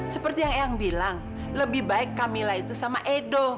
seperti yang eyang bilang lebih baik camilla itu sama edo